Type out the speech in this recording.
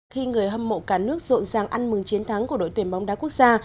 khi người hâm mộ cả nước rộn ràng ăn mừng chiến thắng của đội tuyển bóng đá quốc gia